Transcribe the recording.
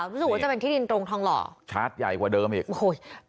รู้สึกว่าจะเป็นที่ดินตรงทองหล่อชาร์จใหญ่กว่าเดิมอีกโอ้โห